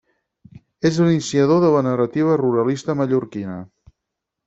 És l'iniciador de la narrativa ruralista mallorquina.